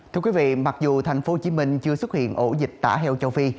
thưa quý vị mặc dù thành phố hồ chí minh chưa xuất hiện ổ dịch tả heo châu phi